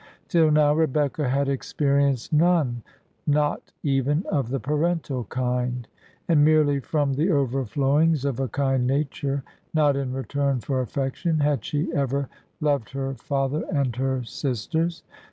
Till now, Rebecca had experienced none; not even of the parental kind: and merely from the overflowings of a kind nature (not in return for affection) had she ever loved her father and her sisters.